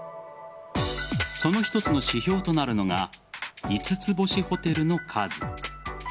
その一つの指標となるのが５つ星ホテルの数。